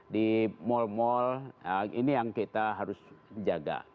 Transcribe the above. di mal mal ini yang kita harus jaga